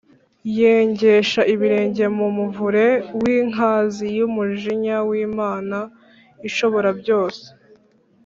Yengesha ibirenge mu muvure w’inkazi y’umujinya w’Imana Ishoborabyose.